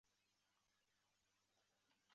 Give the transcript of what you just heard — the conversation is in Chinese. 硫唑嘌呤被视为是致癌物的一种。